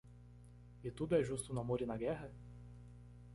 E tudo é justo no amor e na guerra?